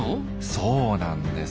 そうなんです。